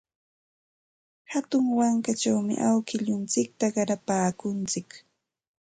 Hatun wankachawmi awkilluntsikta qarapaakuntsik.